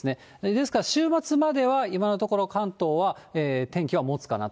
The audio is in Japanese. ですから週末までは今のところ、関東は天気はもつかなと。